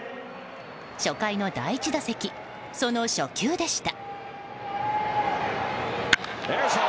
初回の第１打席その初球でした。